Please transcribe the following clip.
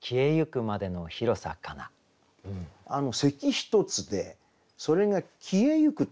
「咳ひとつ」でそれが「消えゆく」と。